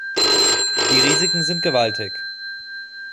Die Risiken sind gewaltig.